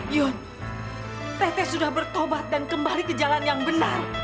yun tete sudah bertobat dan kembali ke jalan yang benar